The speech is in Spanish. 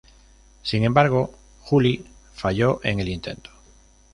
Sin embargo Juli falló en el intento.